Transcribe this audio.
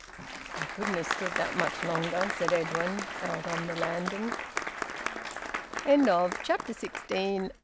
"I couldn't have stood that much longer," said Edwin, out on the landing. VOLUME THREE, CHAPTER SEVENTEEN.